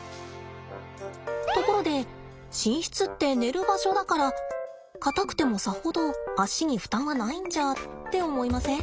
ところで寝室って寝る場所だから硬くてもさほど足に負担はないんじゃ？って思いません？